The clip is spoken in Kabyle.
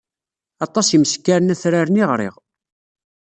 Aṭas imeskaren atraren i ɣriɣ.